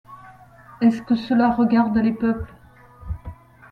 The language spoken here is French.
est-ce que cela regarde les peuples ?